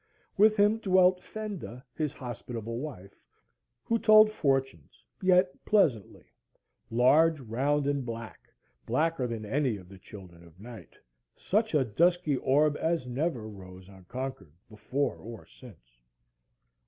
With him dwelt Fenda, his hospitable wife, who told fortunes, yet pleasantly,—large, round, and black, blacker than any of the children of night, such a dusky orb as never rose on Concord before or since.